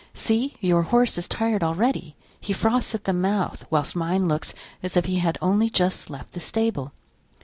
See! your horse is tired already, he froths at the mouth, whilst mine looks as if he had only just left the stable.